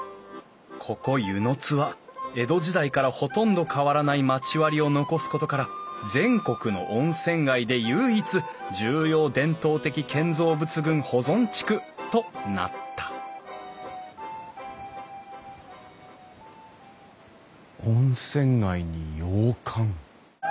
ここ温泉津は江戸時代からほとんど変わらない町割りを残すことから全国の温泉街で唯一重要伝統的建造物群保存地区となった温泉街に洋館。